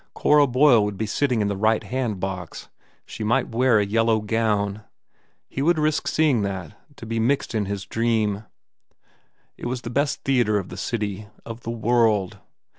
Cora Boyle would be sitting in the righthand box. She might wear a yellow gown. He would risk seeing that to be mixed in his dream. It was the best theatre of the city, of the world.